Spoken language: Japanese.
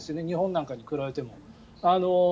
日本なんかに比べても。